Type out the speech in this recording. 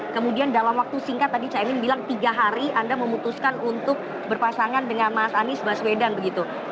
kemudian dalam waktu singkat tadi caimin bilang tiga hari anda memutuskan untuk berpasangan dengan mas anies baswedan begitu